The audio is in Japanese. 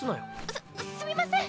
すすみません！